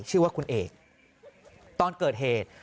เป็นคนเอกตอนเกิดเหตุ